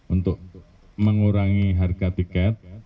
untuk mengurangi harga tiket